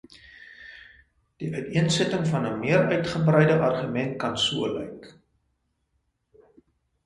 Die uiteensetting van 'n meer uitgebreide argument kan so lyk: